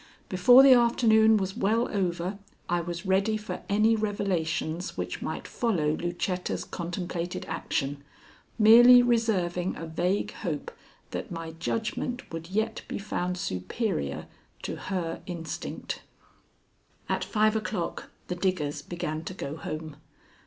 Before the afternoon was well over I was ready for any revelations which might follow Lucetta's contemplated action, merely reserving a vague hope that my judgment would yet be found superior to her instinct. At five o'clock the diggers began to go home.